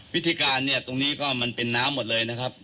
วิธีการก็จะเป็นหน้าหมดเลยนะครับ